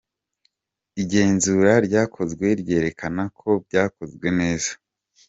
Igenzura ryakozwe ryerekanye ko byakozwe neza.